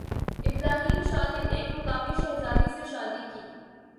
ابراہیم شاہ نے ایک مقامی شہزادی سے شادی کی